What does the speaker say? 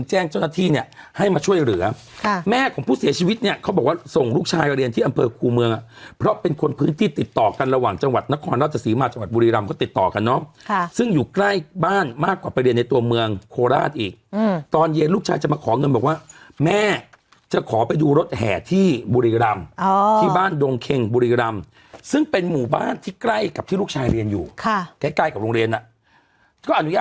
แจ้งเจ้าหน้าที่เนี่ยให้มาช่วยเหลือค่ะแม่ของผู้เสียชีวิตเนี่ยเขาบอกว่าส่งลูกชายไปเรียนที่อำเภอครูเมืองอะเพราะเป็นคนพื้นที่ติดต่อกันระหว่างจังหวัดนครราชสีมาจังหวัดบุรีรำก็ติดต่อกันเนาะค่ะซึ่งอยู่ใกล้บ้านมากกว่าไปเรียนในตัวเมืองโคราชอีกอืมตอนเย็นลูกชายจะมาขอเงินบอกว่